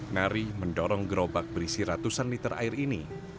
nari mendorong gerobak berisi ratusan liter air ini